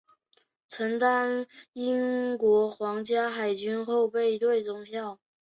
曾任英国皇家海军后备队中校。